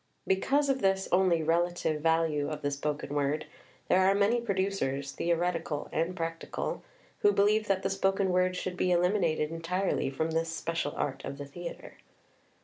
Because of this only relative value of the spoken word, there are many producers [theoretical and practical] who believe that the spoken word should be eliminated en tirely from this special art of the theatre.